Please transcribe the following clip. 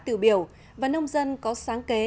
tự biểu và nông dân có sáng kế